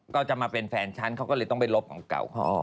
ก็จะมาเป็นแฟนฉันเขาก็เลยต้องไปลบของเก่าเขา